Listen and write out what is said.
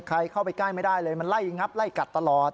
เข้าไปใกล้ไม่ได้เลยมันไล่งับไล่กัดตลอด